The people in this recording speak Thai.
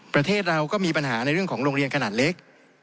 ประเทศเราก็มีปัญหาในเรื่องของโรงเรียนขนาดเล็ก